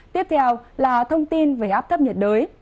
tiếp theo là thông tin về áp thấp nhiệt đới